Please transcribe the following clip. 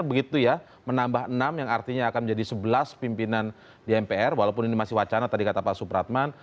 begitu ya menambah enam yang artinya akan menjadi sebelas pimpinan di mpr walaupun ini masih wacana tadi kata pak supratman